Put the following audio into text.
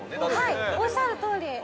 ◆はい、おっしゃるとおり。